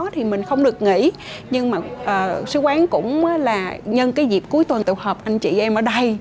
thì mình không được nghỉ nhưng mà sứ quán cũng là nhân cái dịp cuối tuần tụ hợp anh chị em ở đây